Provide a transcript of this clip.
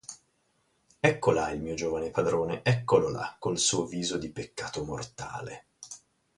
Ecco là il mio giovane padrone, eccolo là, col suo viso di peccato mortale.